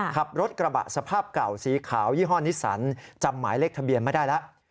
ขับรถกระบะสภาพเก่าสีขาวยี่ห้อนิสสันจำหมายเลขทะเบียนไม่ได้แล้ว